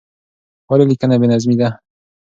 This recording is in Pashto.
ولې لیکنه بې نظمې ده؟